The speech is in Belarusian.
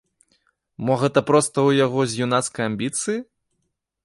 Мо гэта проста ў яго з юнацкай амбіцыі?